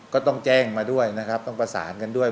ก็ต้องแจ้งมาด้วยนะครับต้องประสานกันด้วย